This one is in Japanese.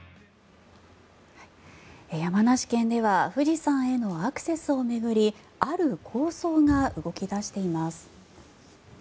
山梨県では富士山へのアクセスを巡りある構想が動き出しています。